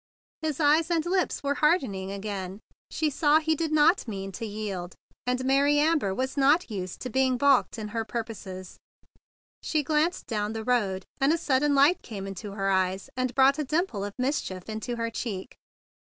His eyes and lips were hardening again. She saw he did not mean to 126 THE BIG BLUE SOLDIER yield, and Mary Amber was not used to being balked in her purposes. She glanced down the road; and a sudden light came into her eyes, and brought a dimple of mischief into her cheek.